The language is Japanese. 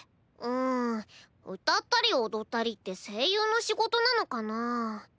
うん歌ったり踊ったりって声優の仕事なのかなぁ？